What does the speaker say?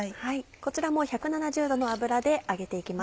こちらも１７０℃の油で揚げて行きます。